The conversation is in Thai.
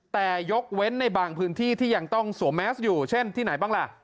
แต่ยกเว้นในบางพื้นที่ที่ยังต้องสวมแมสอยู่เช่นที่ไหนบ้างล่ะ